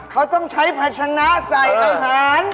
เขาต้องใช้ภาชนะใส่อาหาร